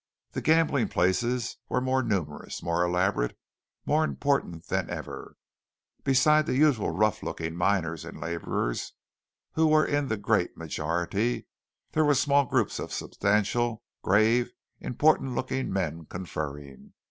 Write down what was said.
The gambling places were more numerous, more elaborate, more important than ever. Beside the usual rough looking miners and labourers, who were in the great majority, there were small groups of substantial, grave, important looking men conferring.